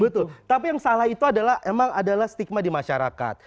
betul tapi yang salah itu adalah emang adalah stigma di masyarakat